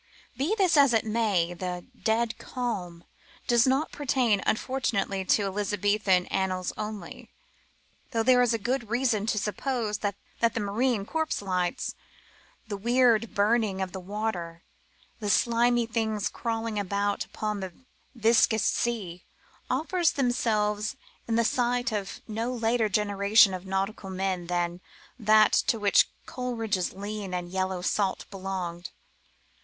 Be this as it may, the " dead calm " does not pertain, unfortunately, to Elizabethan annals only; though there is good reason to suppose that the marine corpse lights, the weird burning of the water, the slimy things crawling about upon the viscous sea, offered themselves to the sight of no later generation of nautical men than CALMS AND SEAS. 125 that to which Coleridge's lean and yellow salt belonged.